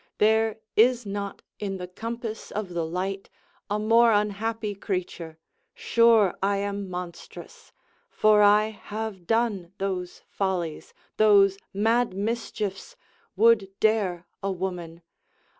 There is not in the compass of the light A more unhappy creature: sure, I am monstrous; For I have done those follies, those mad mischiefs, Would dare a woman.